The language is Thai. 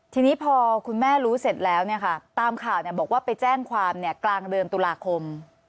ทีนี้พอคุณแม่รู้เสร็จแล้วเนี่ยค่ะตามข่าวเนี่ยบอกว่าไปแจ้งความเนี่ยกลางเดิมตุลาคม